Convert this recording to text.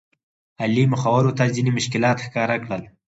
علي مخورو ته ځینې مشکلات ښکاره کړل.